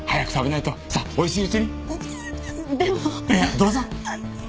どうぞ！